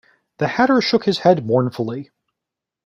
The Hatter shook his head mournfully.